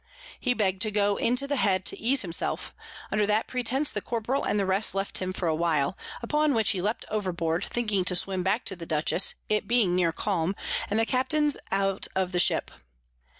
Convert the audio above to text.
He begg'd to go into the Head to ease himself; under that pretence the Corporal and the rest left him for a while: upon which he leapt over board, thinking to swim back to the Dutchess, it being near calm, and the Captains out of the Ship.